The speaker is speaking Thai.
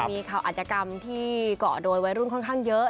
มีข่าวอัธยกรรมที่เกาะโดยวัยรุ่นค่อนข้างเยอะ